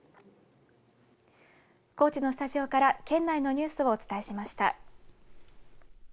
高知のスタジオから県内のニュースをお伝えしました。